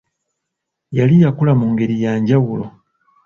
Yali yakula mu ngeri ya njawulo.